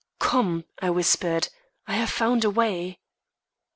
"Come," I whispered; "I have found a way."